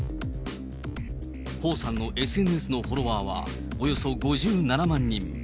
彭さんのＳＮＳのフォロワーは、およそ５７万人。